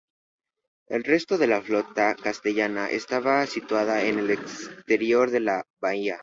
El resto de la flota castellana estaba situada en el exterior de la bahía.